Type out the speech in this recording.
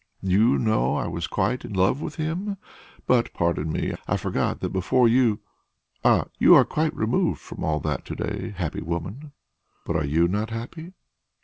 Do you know I was quite in love with him! But pardon me; I forgot that before you.... Ah, you are quite removed from all that to day, happy woman!" "But are not you happy?"